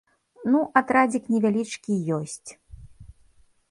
Ну, атрадзік невялічкі ёсць.